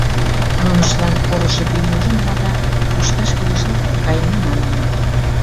Нуныштлан «орышо пийым ужынна да, пушташ кӱлешат, каена» маныныт.